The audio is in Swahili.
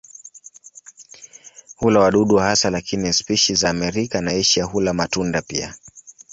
Hula wadudu hasa lakini spishi za Amerika na Asia hula matunda pia.